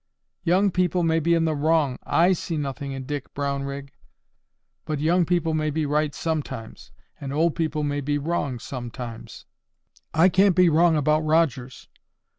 "Young people may be in the wrong, I see nothing in Dick Brownrigg." "But young people may be right sometimes, and old people may be wrong sometimes." "I can't be wrong about Rogers."